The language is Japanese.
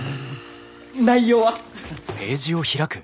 内容は？